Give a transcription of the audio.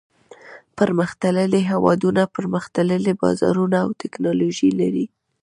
پرمختللي هېوادونه پرمختللي بازارونه او تکنالوجي لري.